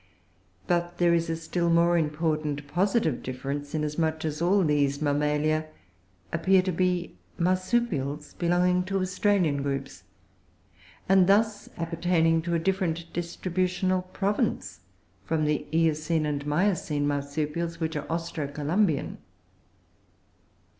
But there is a still more important positive difference, inasmuch as all these Mammalia appear to be Marsupials belonging to Australian groups, and thus appertaining to a different distributional province from the Eocene and Miocene marsupials, which are Austro Columbian.